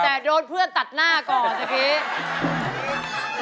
แต่โดนเพื่อนตัดหน้าก่อนนะพี่